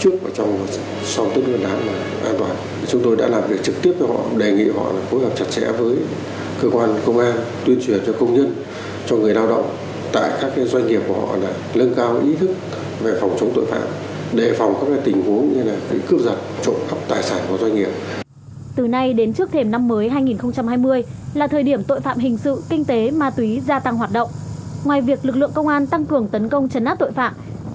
trong đó có vụ chúng tôi đã sát lập đối với đối tượng đối tượng đối tượng đối tượng đối tượng đối tượng đối tượng đối tượng đối tượng đối tượng đối tượng đối tượng đối tượng đối tượng đối tượng đối tượng đối tượng đối tượng đối tượng đối tượng đối tượng đối tượng đối tượng đối tượng đối tượng đối tượng đối tượng đối tượng đối tượng đối tượng đối tượng đối tượng đối tượng đối tượng đối tượng đối tượng đối tượng đối tượng đối tượng đối tượng đối tượng đối tượng đối tượng đối tượng đối tượng đối tượng đối tượng đối tượng đối tượng đối tượng đối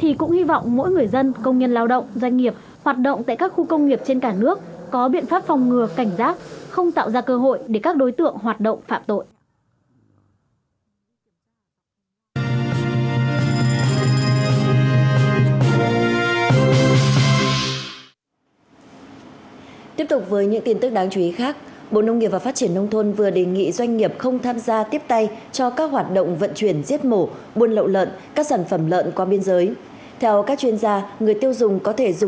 tượng đ